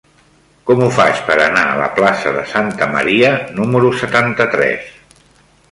Com ho faig per anar a la plaça de Santa Maria número setanta-tres?